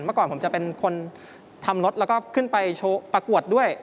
เมื่อก่อนผมจะเป็นคนทำรถแล้วก็ขึ้นไปโชว์ประกวดด้วย